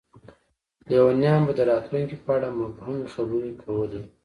لیونیان به د راتلونکي په اړه مبهمې خبرې کولې.